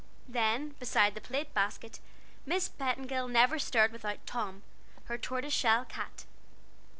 Then, beside the plate basket, Miss Petingill never stirred without Tom, her tortoiseshell cat.